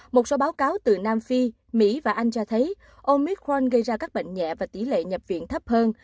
một số báo cáo từ nam phi mỹ và anh cho thấy omicwan gây ra các bệnh nhẹ và tỷ lệ nhập viện thấp hơn